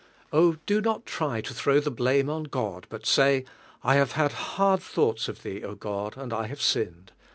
Oh, do not try to throw the bhinie on God, hut say, "I have had hard thoughts of Thee, God, and I have sinned.